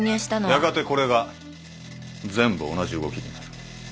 やがてこれが全部同じ動きになる。